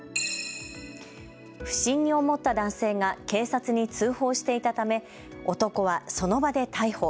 不審に思った男性が警察に通報していたため男はその場で逮捕。